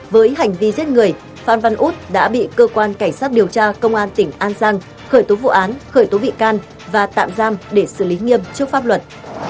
với hành vi giết người phan văn út đã bị cơ quan cảnh sát điều tra công an tỉnh an giang khởi tố vụ án khởi tố bị can và tạm giam để xử lý nghiêm trước pháp luật